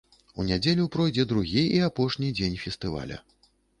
У нядзелю пройдзе другі і апошні дзень фестываля.